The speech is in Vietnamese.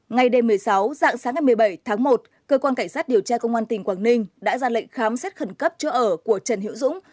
ngày đêm một mươi sáu dạng sáng ngày một mươi bảy tháng một cơ quan cảnh sát điều tra công an tỉnh quảng ninh đã ra lệnh khám xét khẩn cấp chỗ ở của trần hiễu dũng